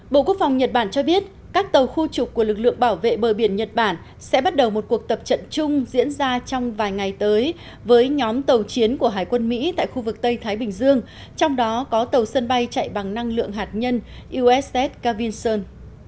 bộ quốc phòng nhật bản cho biết các tàu khu trục của lực lượng bảo vệ bờ biển nhật bản sẽ bắt đầu một cuộc tập trận chung diễn ra trong vài ngày tới với nhóm tàu chiến của hải quân mỹ tại khu vực tây thái bình dương trong đó có tàu sân bay chạy bằng năng lượng hạt nhân usset cavinson